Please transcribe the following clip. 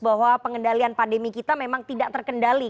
bahwa pengendalian pandemi kita memang tidak terkendali